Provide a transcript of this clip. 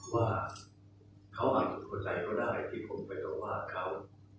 ว่าเขาอาจเป็นคนใดก็ได้ที่ผมไปต่อว่าเขา